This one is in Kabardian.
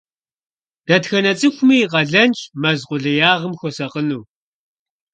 Дэтхэнэ цӀыхуми и къалэнщ мэз къулеягъым хуэсакъыну.